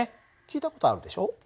聞いた事あるでしょ？